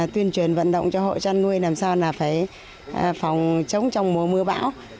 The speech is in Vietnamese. tuyên truyền vận động cho hộ trăn nuôi làm sao phải phòng trống trong mùa mưa bão